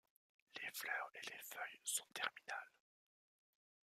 Les fleurs et les feuilles sont terminales.